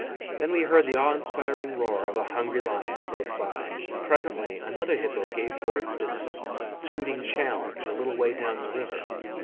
Then we heard the awe inspiring roar of a hungry lion close by, and presently another hippo gave forth his tooting challenge a little way down the river.